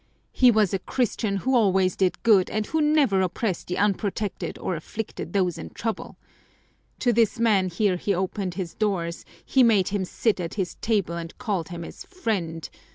He was a Christian who always did good and who never oppressed the unprotected or afflicted those in trouble. To this man here he opened his doors, he made him sit at his table and called him his friend.